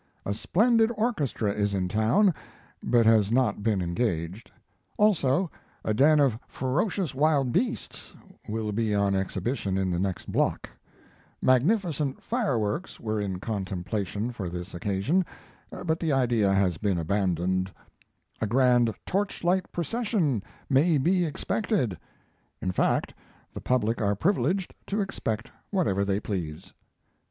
A SPLENDID ORCHESTRA is in town, but has not been engaged ALSO A DEN OF FEROCIOUS WILD BEASTS will be on exhibition in the next block MAGNIFICENT FIREWORKS were in contemplation for this occasion, but the idea has been abandoned A GRAND TORCHLIGHT PROCESSION may be expected; in fact, the public are privileged to expect whatever they please.